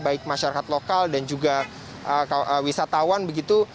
baik masyarakat lokal dan juga wisatawan begitu